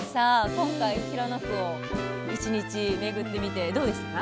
今回平野区を一日巡ってみてどうでしたか？